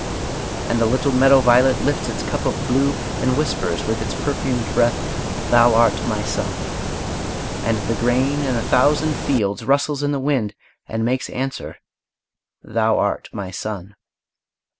And the little meadow violet lifts its cup of blue, and whispers with its perfumed breath, "Thou art my sun." And the grain in a thousand fields rustles in the wind, and makes answer, "Thou art my sun."